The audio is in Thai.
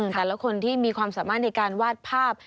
แต่ละคนที่มีความสามารถในการวาดภาพ